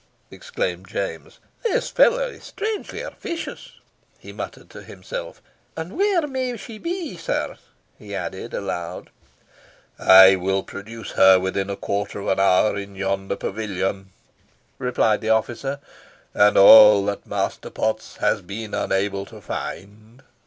exclaimed James. "This fellow is strangely officious," he muttered to himself. "And where may she be, sir?" he added, aloud. "I will produce her within a quarter of an hour in yonder pavilion," replied the officer, "and all that Master Potts has been unable to find."